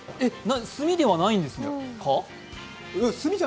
炭ではないんですか？